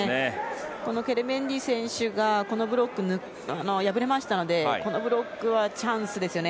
このケルメンディ選手がこのブロック敗れましたのでこのブロックはチャンスですよね。